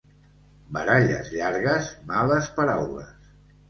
Baralles llargues, males paraules.